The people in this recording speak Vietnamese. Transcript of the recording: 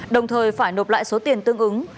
đồng thời phải nộp lại số tiền tương ứng